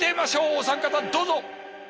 お三方どうぞ！